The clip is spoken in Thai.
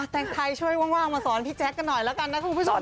ถ้าใครช่วยว่างมาสอนพี่แจ็คกันหน่อยละกันนะคุณผู้ชมนะ